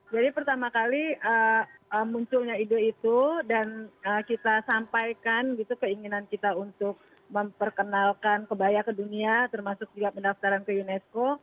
pertama kali munculnya ide itu dan kita sampaikan gitu keinginan kita untuk memperkenalkan kebaya ke dunia termasuk juga pendaftaran ke unesco